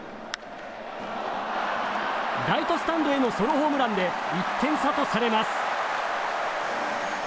ライトスタンドへのソロホームランで１点差とされます。